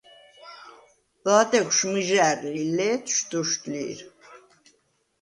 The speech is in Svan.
ლადეღშუ̂ მჷჟა̄̈რ ლი, ლე̄თშუ̂ – დოშდუ̂ლი̄რ.